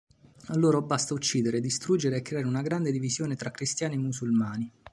A loro basta uccidere, distruggere e creare una grande divisione tra cristiani e musulmani".